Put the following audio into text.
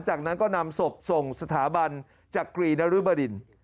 จากนั้นก็นำศพส่งสถาบันจักรีนรุบดิน